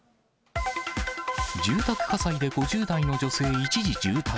住宅火災で５０代の女性、一時重体。